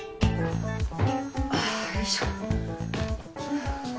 あよいしょ。